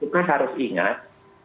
kita harus ingat